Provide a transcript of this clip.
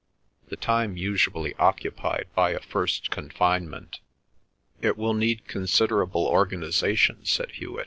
"The time usually occupied by a first confinement." "It will need considerable organisation," said Hewet.